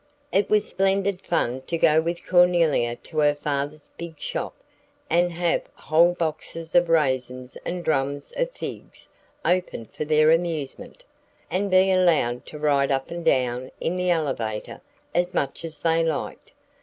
It was splendid fun to go with Cornelia to her father's big shop, and have whole boxes of raisins and drums of figs opened for their amusement, and be allowed to ride up and down in the elevator as much as they liked.